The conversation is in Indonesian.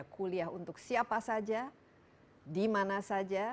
kuliah untuk siapa saja dimana saja